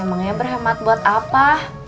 emangnya berhemat buat apa